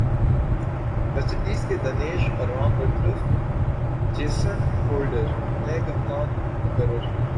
waste Indies کے دنیش رام برطرف Jason Holder نئے کپتان مقرر